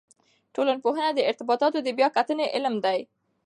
ټولنپوهنه د ارتباطاتو د بیا کتنې علم دی.